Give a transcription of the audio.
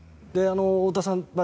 太田さん